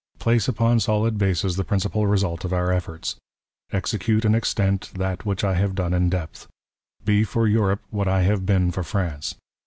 Place upon solid " bases the principal result of our efforts. Execute in extent " that which I have done in depth. Be for Europe what I have '' been for France.